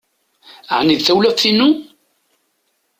Ɛni d tawlaft-inu?